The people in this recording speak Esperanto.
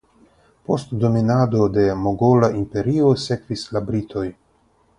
Post dominado de Mogola Imperio sekvis la britoj.